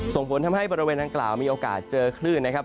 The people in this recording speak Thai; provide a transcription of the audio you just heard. ส่งผลทำให้บริเวณดังกล่าวมีโอกาสเจอคลื่นนะครับ